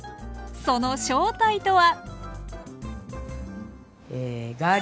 その正体とは？